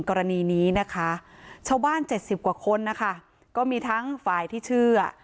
กรณีนี้นะคะชาวบ้าน๗๐กว่าคนนะคะก็มีทั้งฝ่ายที่เชื่อ